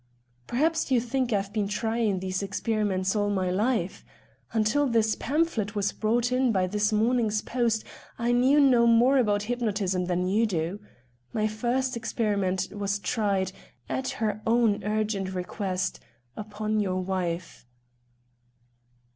"Perhaps you think I have been trying these experiments all my life. Until this pamphlet was brought by this morning's post I knew no more about hypnotism than you do. My first experiment was tried, at her own urgent request, upon your wife."